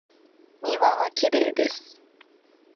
庭はきれいです。